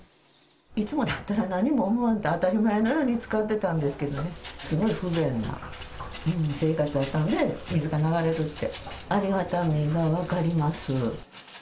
いつもだったら何も思わんと、当たり前のように使ってたんですけどね、すごい不便な生活だったので、水が流れるって、ありがたみが分かります。